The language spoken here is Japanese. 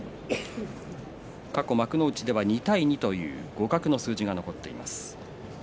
過去、幕内では２対２という互角の数字が残っています。